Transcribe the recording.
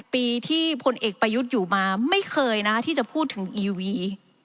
ปีที่พลเอกประยุทธ์อยู่มาไม่เคยนะที่จะพูดถึงอีวี